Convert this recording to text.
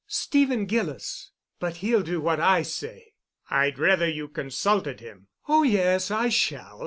"Stephen Gillis. But he'll do what I say." "I'd rather you consulted him." "Oh, yes, I shall.